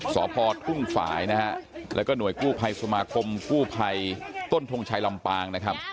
สพทุ่งฝ่ายนะฮะแล้วก็หน่วยกู้ภัยสมาคมกู้ภัยต้นทงชัยลำปางนะครับ